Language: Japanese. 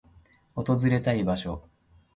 訪れたい場所